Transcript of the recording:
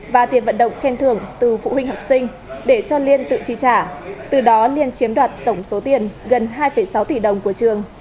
và tiền vận động khen thưởng từ phụ huynh học sinh để cho liên tự chi trả từ đó liên chiếm đoạt tổng số tiền gần hai sáu tỷ đồng của trường